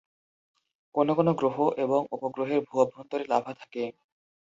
কোনো কোনো গ্রহ এবং উপগ্রহের ভূ-অভ্যন্তরে লাভা থাকে।